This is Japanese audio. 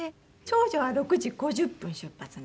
長女は６時５０分出発なんです。